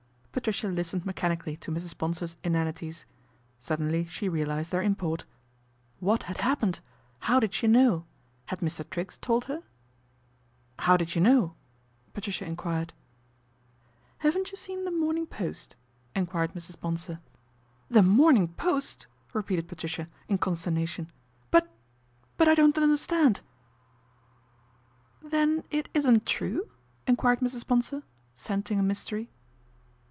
Patricia listened mechanically to Mrs. Bonsor's inanities. Suddenly she realised their import. What had happened ? How did she know ? Had Mr. Triggs told her ?" How did you know ?" Patricia enquired. " Haven't you seen The Morning Post ?" en quired Mrs. Bonsor. 159 i6o PATRICIA BRENT, SPINSTER " The Morning Post !" repeated Patricia, in consternation ;" but but I don't understand." " Then isn't it true ?" enquired Mrs. Bonsor, scenting a mystery.